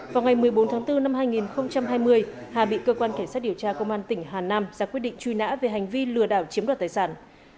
vào ngày một mươi bốn tháng bốn năm hai nghìn hai mươi hà bị cơ quan cảnh sát điều tra công an tỉnh hà nam ra quyết định truy nã về hành vi lừa đảo chiếm đoạt tài sản